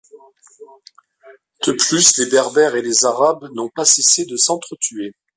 De plus les Berbères et les Arabes n'ont pas cessé de s'entretuer.